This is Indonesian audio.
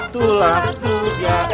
tulang tu jah